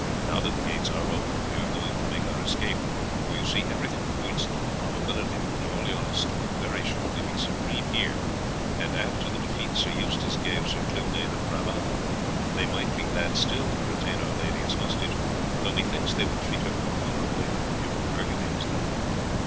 Now that the gates are open we are going to make our escape, for you see everything points to the probability that the Orleanists will very shortly be supreme here, and after the defeat Sir Eustace gave Sir Clugnet de Brabant they might be glad still to retain our lady as hostage, though methinks they would treat her more honourably than the Duke of Burgundy has done."